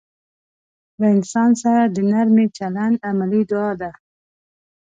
له انسان سره د نرمي چلند عملي دعا ده.